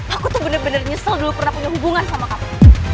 aku tuh bener bener nyesel dulu pernah punya hubungan sama kamu